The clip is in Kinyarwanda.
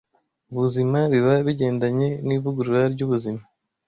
Ubuzima biba bigendanye n’ivugurura ry’ubuzima